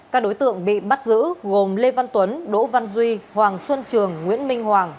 các đối tượng bị bắt giữ gồm lê văn tuấn đỗ văn duy hoàng xuân trường nguyễn minh hoàng